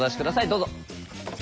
どうぞ。